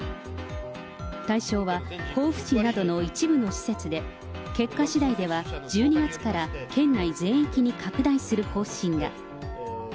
対象は甲府市などの一部の施設で、結果しだいでは１２月から県内全域に拡大する方針だ。